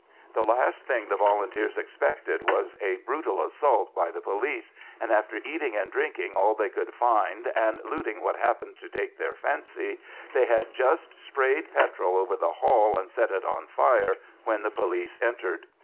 The last thing the Volunteers expected was a brutal assault by the police, and after eating and drinking all they could find and looting what happened to take their fancy, they had just sprayed petrol over the hall and set it on fire when the police entered.